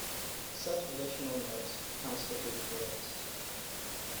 Such additional marks constitute glyphs.